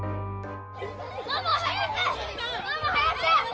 ママ早く！